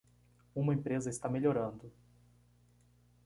Uma empresa está melhorando